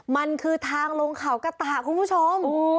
มันคือทางลงเขากระตะคุณผู้ชม